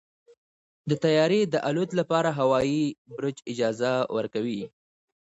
د طیارې د الوت لپاره هوايي برج اجازه ورکوي.